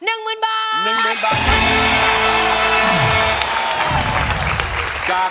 ร้องได้